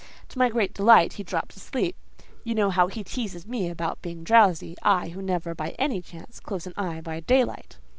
To my great delight, he dropped asleep. (You know how he teases me about being drowsy; I, who never, by any chance, close an eye by daylight.)